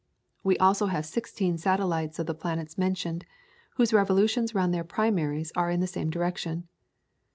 We have also sixteen satellites of the planets mentioned whose revolutions round their primaries are in the same direction.